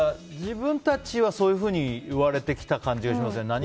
自分たちはそういうふうに言われてきた感じがしますね。